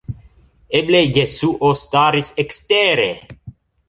Eble Jesuo staris ekstere!